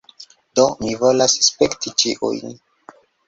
Do, mi volas spekti ĉiujn